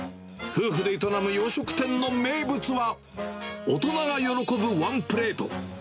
夫婦で営む洋食店の名物は、大人が喜ぶワンプレート。